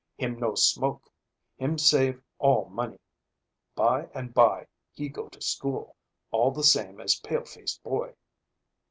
Him no smoke. Him save all money. By and bye, he go to school, all the same as pale face boy."